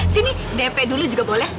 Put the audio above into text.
sini dp dulu juga boleh